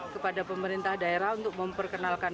kepada pemerintah daerah untuk memperkenalkan